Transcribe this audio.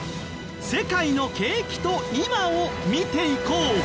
世界の景気と今を見ていこう！